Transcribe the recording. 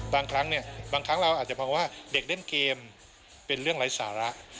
บางครั้งเราอาจจะบอกว่าเด็กเล่นเกมเป็นเรื่องไร้สาระ